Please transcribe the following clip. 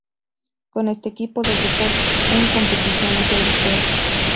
Con este equipo debutó en competiciones europeas.